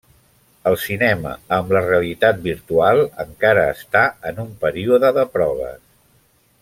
El cinema amb la realitat virtual encara està en un període de proves.